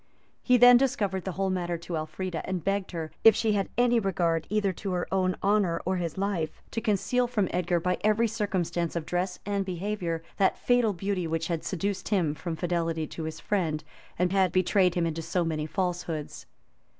He then discovered the whole matter to Elfrida; and begged her, if she had any regard either to her own honor or his life, to conceal from Edgar, by every circumstance of dress and behavior, that fatal beauty which had seduced him from fidelity to his friend, and had betrayed him into so many falsehoods.